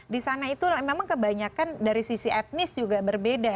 di sana itu memang kebanyakan dari sisi etnis juga berbeda